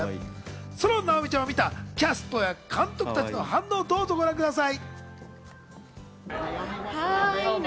その直美ちゃんを見たキャストや監督たちの反応をどうぞご覧ください。